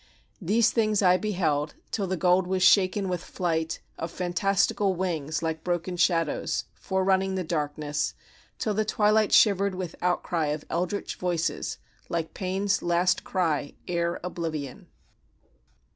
These things I beheld Till the gold was shaken with flight Of fantastical wings like broken shadows, Forerunning the darkness; Till the twilight shivered with outcry of eldritch voices Like painŌĆÖs last cry ere oblivion.